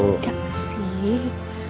gak apa sih